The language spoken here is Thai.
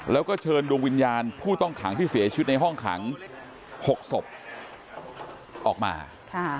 แล้วก็เชิญดวงวิญญาณผู้ต้องขังที่เสียชีวิตในห้องขังหกศพออกมาค่ะ